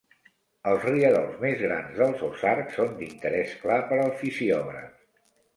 Els rierols més grans dels Ozarks són d'interès clar per al fisiògraf.